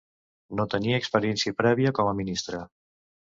No tenia experiència prèvia com a ministre.